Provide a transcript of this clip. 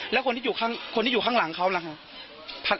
แล้วคนที่อยู่ข้างคนที่อยู่ข้างหลังเขาล่ะฮะ